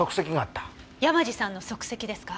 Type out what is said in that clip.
山路さんの足跡ですか？